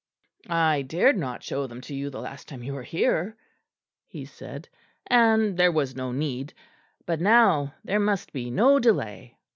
"I dared not show them to you the last time you were here," he said, "and there was no need; but now there must be no delay.